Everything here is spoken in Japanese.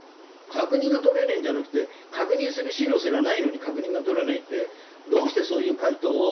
確認がとれねえんじゃなくて確認する資料すらないのに確認がとれないってどうしてそういう回答を誰が出したんだって。